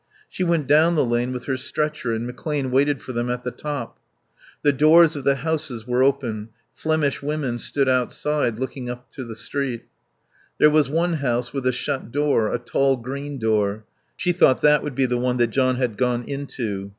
She went down the lane with her stretcher and McClane waited for them at the top. The doors of the houses were open; Flemish women stood outside, looking up to the street. There was one house with a shut door, a tall green door; she thought that would be the one that John had gone into.